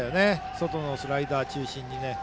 外のスライダーを中心に。